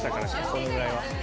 このぐらいは。